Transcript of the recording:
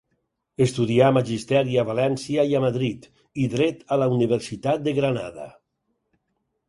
Estudià Magisteri a València i a Madrid, i dret a la Universitat de Granada.